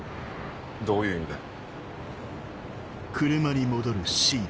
どういう意味だよ。